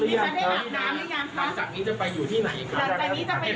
พระบิดาครับข้าบีดาพระบิดามิลลิข้าวบีดาไหมครับ